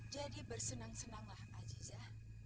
jadi bersenang senanglah aziza